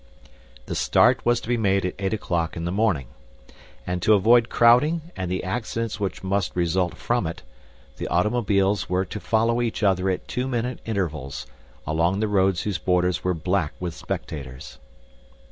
The start was to be made at eight o'clock in the morning; and to avoid crowding and the accidents which must result from it, the automobiles were to follow each other at two minute intervals, along the roads whose borders were black with spectators.